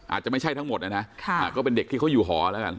อาจจะไม่ใช่ทั้งหมดนะนะก็เป็นเด็กที่เขาอยู่หอแล้วกัน